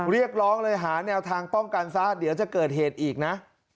เรียกร้องเลยหาแนวทางป้องกันซะเดี๋ยวจะเกิดเหตุอีกนะ